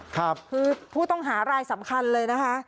คือผู้ต้องหารายสำคัญเลยนะคะ